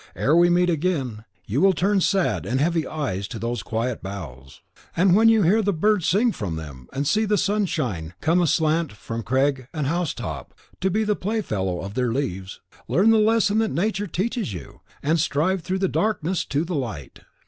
Ere we meet again, you will turn sad and heavy eyes to those quiet boughs, and when you hear the birds sing from them, and see the sunshine come aslant from crag and housetop to be the playfellow of their leaves, learn the lesson that Nature teaches you, and strive through darkness to the light!"